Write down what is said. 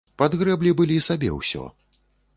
Падгрэблі былі сабе ўсё.